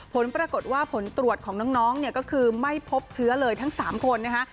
ผลปรากฏว่าผลตรวจของน้องเนี่ยก็คือไม่พบเชื้อเลยทั้ง๓คนนะคะ